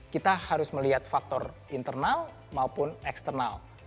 kita harus melihat faktor internal maupun eksternal